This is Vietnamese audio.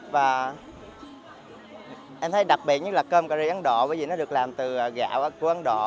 và em thấy đặc biệt như là cơm cà re ấn độ bởi vì nó được làm từ gạo của ấn độ